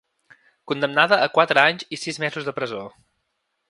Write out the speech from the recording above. Condemnada a quatre anys i sis mesos de presó.